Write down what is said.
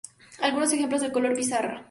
Algunos ejemplos del color pizarraː